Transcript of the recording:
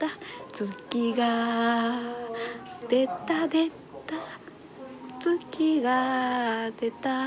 「月が出た出た月が出た」